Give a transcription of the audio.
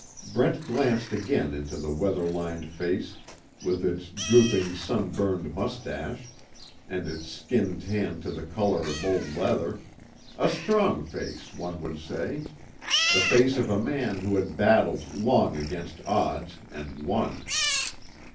Brent glanced again into the weather lined face with its drooping sun burned mustache, and its skin tanned to the color of old leather a strong face, one would say the face of a man who had battled long against odds, and won.